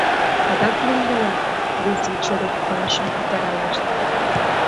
— Адак лӱмдылат? — весын черет пылышым пӱтыралаш.